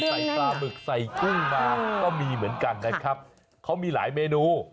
ปลาหมึกใส่กุ้งมาก็มีเหมือนกันนะครับเขามีหลายเมนู